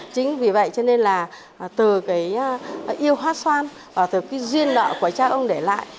chính vì vậy từ yêu hát xoan và từ duyên nợ của cha ông để lại